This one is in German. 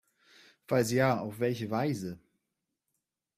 Falls ja, auf welche Weise?